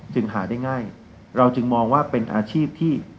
หาได้ง่ายเราจึงมองว่าเป็นอาชีพที่